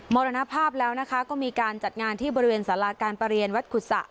มรณภาพแล้วนะคะก็มีการจัดงานที่บริเวณสาราการประเรียนวัดกุศะ